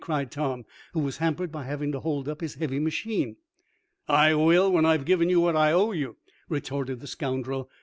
cried Tom, who was hampered by having to hold up his heavy machine. "I will when I've given you what I owe you!" retorted the scoundrel.